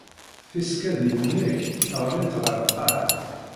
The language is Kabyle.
Tisekkadin-nnek ɣlint ɣer lqaɛa.